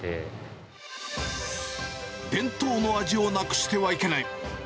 伝統の味をなくしてはいけない。